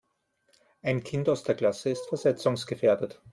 Ein Kind aus der Klasse ist versetzungsgefährdet.